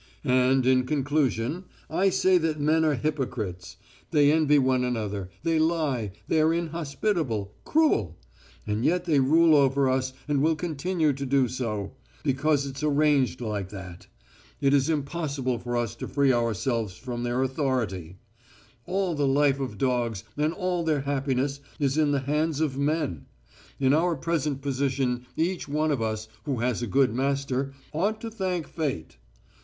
"And, in conclusion, I say that men are hypocrites; they envy one another, they lie, they are inhospitable, cruel.... And yet they rule over us, and will continue to do so ... because it's arranged like that. It is impossible for us to free ourselves from their authority. All the life of dogs, and all their happiness, is in the hands of men. In our present position each one of us, who has a good master, ought to thank Fate.